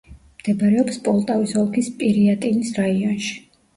მდებარეობს პოლტავის ოლქის პირიატინის რაიონში.